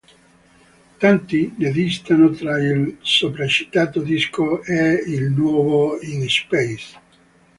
Tanti ne distano tra il sopracitato disco e il nuovo "In Space".